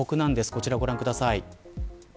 こちらをご覧ください。